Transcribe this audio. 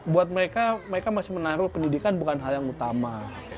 buat mereka mereka masih menaruh pendidikan bukan hal yang utama